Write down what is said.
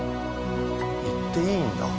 行っていいんだ。